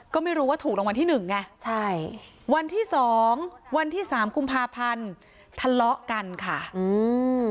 ก็ไม่รู้ว่าถูกรางวัลที่หนึ่งไงใช่วันที่สองวันที่สามกุมภาพันธ์ทะเลาะกันค่ะอืม